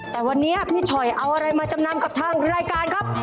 แต่วันนี้พี่ฉอยเอาอะไรมาจำนำกับทางรายการครับ